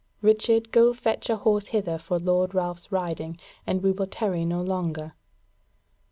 Richard, go fetch a horse hither for Lord Ralph's riding, and we will tarry no longer."